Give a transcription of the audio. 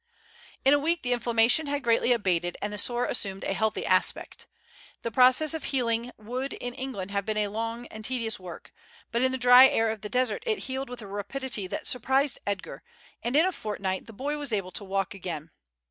In a week the inflammation had greatly abated, and the sore assumed a healthy aspect. The process of healing would in England have been a long and tedious work, but in the dry air of the desert it healed with a rapidity that surprised Edgar, and in a fortnight the boy was able to walk again.